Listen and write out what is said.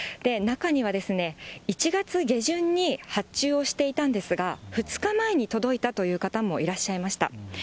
中には１月下旬に発注をしていたんですが、２日前に届いたという方もいらっしゃいました。